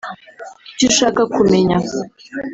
Icyo ushaka kumenya